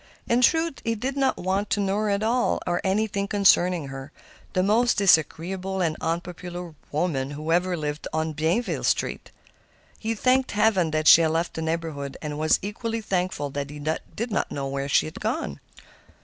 In truth, he did not want to know her at all, or anything concerning her—the most disagreeable and unpopular woman who ever lived in Bienville Street. He thanked heaven she had left the neighborhood, and was equally thankful that he did not know where she had gone.